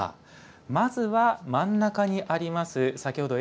まずは、真ん中にあります